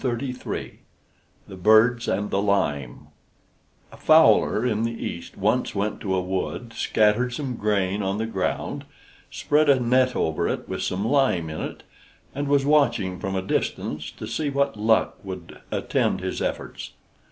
THE BIRDS AND THE LIME A fowler in the East once went to a wood, scattered some grain on the ground, spread a net over it with some lime in it, and was watching from a distance to see what luck would attend his efforts.